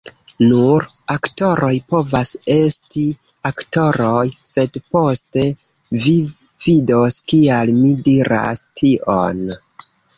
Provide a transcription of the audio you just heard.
Nur aktoroj povas esti aktoroj. sed poste, vi vidos kial mi diras tion.